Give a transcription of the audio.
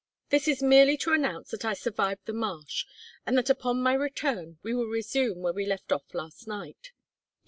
_ "This is merely to announce that I survived the marsh, and that upon my return we will resume where we left off last night.